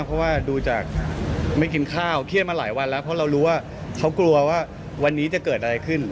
เพราะว่าดูจากไม่กินข้าวเครียดมาหลายวันแล้วเพราะเรารู้ว่าเขากลัวว่าวันนี้จะเกิดอะไรขึ้น